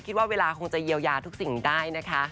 คิดว่าเวลาคงจะเยียวยาทุกสิ่งได้นะคะ